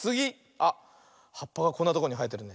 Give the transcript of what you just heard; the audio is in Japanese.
あっはっぱがこんなとこにはえてるね。